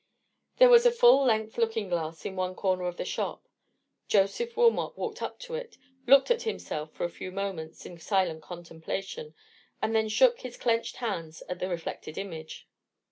There was a full length looking glass in one corner of the shop. Joseph Wilmot walked up to it, looked at himself for a few moments in silent contemplation, and then shook his clenched hand at the reflected image.